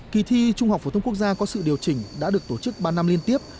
kỳ thi trung học phổ thông quốc gia có sự điều chỉnh đã được tổ chức ba năm liên tiếp